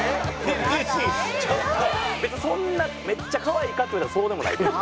別にそんなめっちゃ可愛いかって言われたらそうでもないけど。